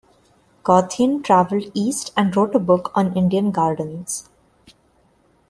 Gothein travelled east and wrote a book on Indian gardens.